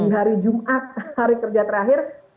hari jumat hari kerja terakhir